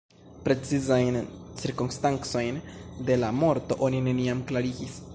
Precizajn cirkonstancojn de la morto oni neniam klarigis.